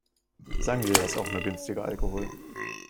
Sangria ist auch nur günstiger Alkohol.